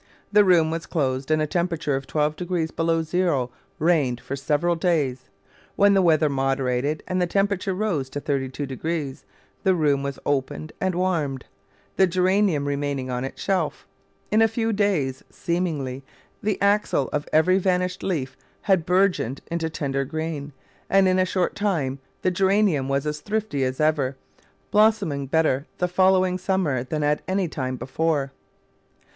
The room was closed, and a temperature of 12° below zero reigned for several days. When the weather Digitized by Google 214 The Flower Garden [Chapter moderated and the temperature rose to 3 2° the room was opened and warmed, the Geranium remaining on its shelf. In a few days, seemingly, the axil of every vanished leaf had bourgeoned into tender green, and in a short time the Geranium was as thrifty as ever, blossoming better the following sum mer than at any time before.